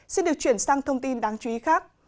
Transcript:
xin được chuyển sang thông tin đáng chú ý khác